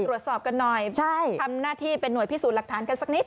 ตรวจสอบกันหน่อยใช่ทำหน้าที่เป็นห่วยพิสูจน์หลักฐานกันสักนิด